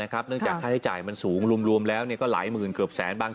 เนื่องจากค่าใช้จ่ายมันสูงรวมแล้วก็หลายหมื่นเกือบแสนบาง